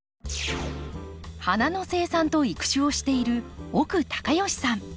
花の生産と育種をしている奥隆善さん。